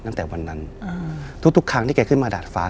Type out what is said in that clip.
ตั้งแต่วันนั้นทุกทุกครั้งที่แกขึ้นมาดาดฟ้า